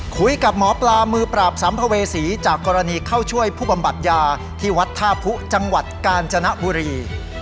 คุยกับหมอปลามือปราบสัมภเวษีจากกรณีเข้าช่วยผู้บำบัดยาที่วัดท่าผู้จังหวัดกาญจนบุรี